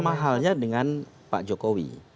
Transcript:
sama halnya dengan pak jokowi